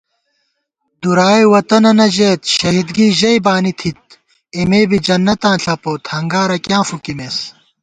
دُرائے ووطنَنہ ژېت، شہیدگی ژَئی بانی تھِت * اېمے بی جنّتاں ݪپوت، ہنگارہ کیاں فُوکِمېس